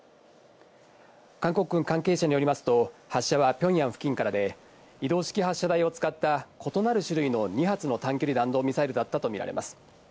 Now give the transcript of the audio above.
韓国軍関係者によりますと発射はピョンヤン付近からで、移動式発射台を使った異なる種類の２発の短距離弾道ミサイルだったとみられます。